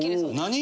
何！？